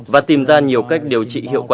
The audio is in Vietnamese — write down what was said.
và tìm ra nhiều cách điều trị hiệu quả